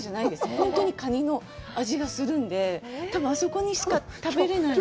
本当にカニの味がするんで、多分あそこにしか食べれないので。